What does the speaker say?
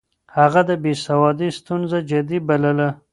هغه د بې سوادۍ ستونزه جدي بلله.